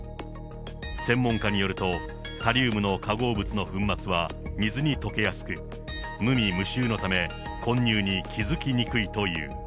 専門家によると、タリウムの化合物の粉末は水に溶けやすく、無味無臭のため、混入に気付きにくいという。